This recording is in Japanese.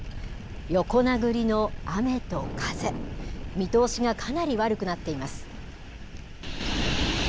横殴りの雨と風、見通しがかなり悪くなっています。